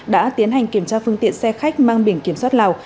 đã tiến hành kiểm tra phương tiện xe khách mang biển kiểm soát lào